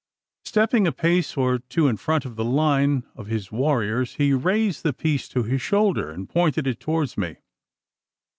Stepping a pace or two in front of the line of his warriors, he raised the piece to his shoulder, and pointed it towards me.